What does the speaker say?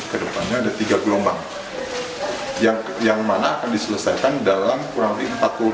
kedepannya ada tiga gelombang yang mana akan diselesaikan dalam kurang lebih